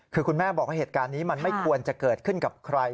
คือคุณแม่บอกว่าเหตุการณ์นี้มันไม่ควรจะเกิดขึ้นกับใคร